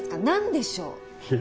何でしょう？